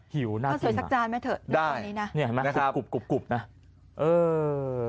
เข้าสวยสักจานไหมหิวน่ากินมากได้นะนะครับคือกรุบนะอือ